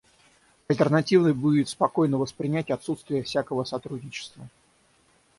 Альтернативой будет спокойно воспринять отсутствие всякого сотрудничества.